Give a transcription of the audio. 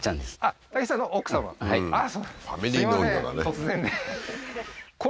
突然ね